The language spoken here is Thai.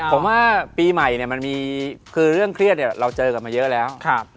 ผมว่าปีใหม่มันมีคือเรื่องเครียดเราเจอกันมาเยอะแล้ว